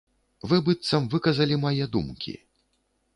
Вы быццам выказалі мае думкі.